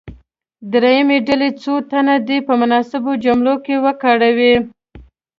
دریمې ډلې څو تنه دې په مناسبو جملو کې وکاروي.